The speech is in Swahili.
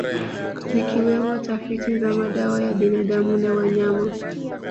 Zikiwemo tafiti za madawa ya binadamu na wanyama